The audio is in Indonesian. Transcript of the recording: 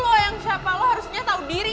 lo yang siapa lo harusnya tahu diri